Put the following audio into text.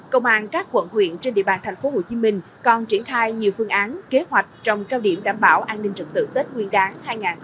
công an các quận huyện trên địa bàn tp hcm còn triển khai nhiều phương án kế hoạch trong cao điểm đảm bảo an ninh trật tự tết nguyên đáng hai nghìn hai mươi bốn